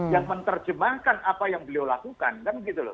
yang menerjemahkan apa yang beliau lakukan